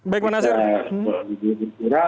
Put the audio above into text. baik pak nasir